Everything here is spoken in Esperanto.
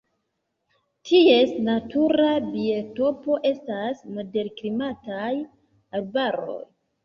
Ties natura biotopo estas moderklimataj arbaroj.